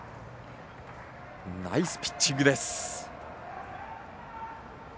ナイスピッチングです。